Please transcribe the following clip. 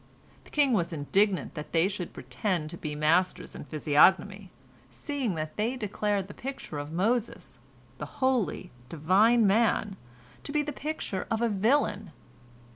The king was indignant that they should pretend to be masters in physiognomy, seeing that they declared the picture of Moses, the holy, divine man, to be the picture of a villain.